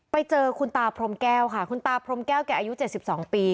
ไปเจอคุณตาพรมแก้วค่ะคุณตาพรมแก้วแกอายุ๗๒ปี